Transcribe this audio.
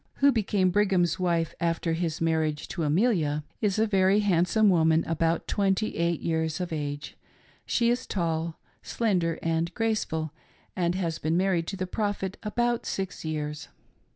[Number Fourteen.] Mary Van Cott Cobb — who became Brigham's wife after his marriage to Amelia — is a very handsome woman, about twenty eight years of age. She is tall, slender, and graceful, and h. s been married to the Prophet about six years.